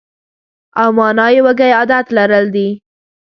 او مانا یې وږی عادت لرل دي.